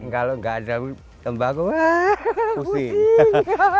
kalau gak ada tembakau wah kusin